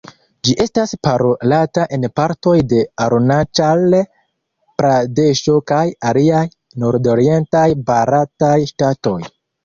Ĝi estas parolata en partoj de Arunaĉal-Pradeŝo kaj aliaj nordorientaj barataj ŝtatoj.